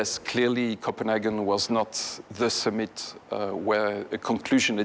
เราคิดว่าโคเปรนเฮงกันเป็นสิ่งที่สงสัย